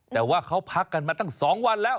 แต่ว่าเขาพักกันมาตั้ง๒วันแล้ว